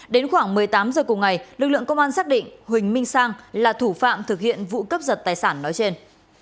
đến khoảng một mươi tám h cùng ngày lực lượng công an xác định huỳnh minh sang là thủ phạm thực hiện vụ cướp giật tài sản nói trên